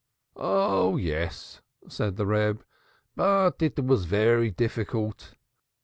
"Oh, yes," said the Reb; "but it was very difficult.